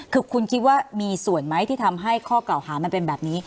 คือคุณคิดว่ามีส่วนไหมที่ทำให้ข้อกล่าวหามันเป็นแบบนี้